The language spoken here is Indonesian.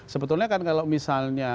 sebetulnya kan kalau misalnya